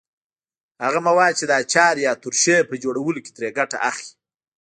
هغه مواد چې د اچار یا ترشۍ په جوړولو کې ترې ګټه اخلئ.